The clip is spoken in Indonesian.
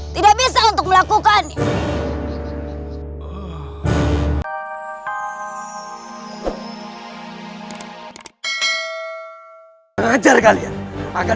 tidak bisa untuk melakukannya